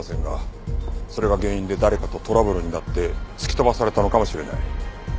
それが原因で誰かとトラブルになって突き飛ばされたのかもしれない。